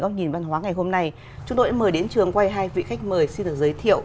góc nhìn văn hóa ngày hôm nay chúng tôi đã mời đến trường quay hai vị khách mời xin được giới thiệu